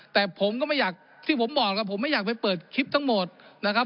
แต่ผมก็ไม่อยากที่ผมบอกครับผมไม่อยากไปเปิดคลิปทั้งหมดนะครับ